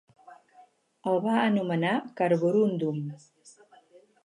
El va anomenar carborúndum.